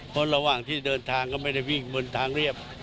เพราะระหว่างที่เดินทางก็ไม่ได้วิ่งบนทางเรียบ